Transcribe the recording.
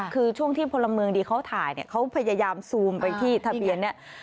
คือช่วงที่พลเมืองดีเขาถ่ายเนี่ยเขาพยายามซูมไปที่ทะเบียนเนี่ย